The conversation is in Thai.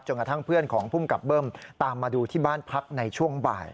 กระทั่งเพื่อนของภูมิกับเบิ้มตามมาดูที่บ้านพักในช่วงบ่าย